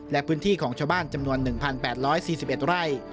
และพื้นที่ของชาวบ้านจำนวน๑๘๔๑ไร่